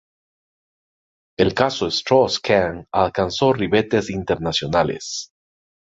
El Caso Strauss-Kahn alcanzó ribetes internacionales.